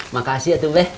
makasih ya tuh beh